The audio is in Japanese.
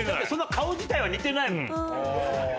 そんな顔自体は似てないもん。